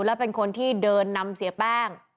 และเป็นคนที่เดินนำเสียแป้ง